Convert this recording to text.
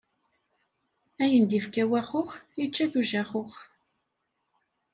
Ayen d-ifka waxux, ičča-t ujaxux.